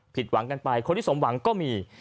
ผิดหวังกันไปคนที่สมหวังก็มี